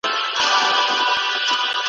لويي زامې، لویه خېټه پنډ ورنونه `